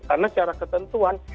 karena secara ketentuan